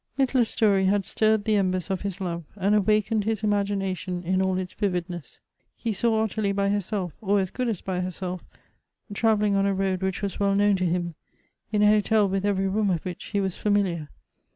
Mittler's story had stirred the embers of his love, and awakened his imagination in all its vividness. He saw Ottilie by herself, or as good as by herself, travel ling on a road which was well known to him — in a hotel with every room of which he was familiar.